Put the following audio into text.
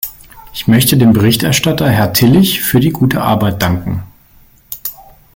Ich möchte dem Berichterstatter, Herr Tillich, für die gute Arbeit danken.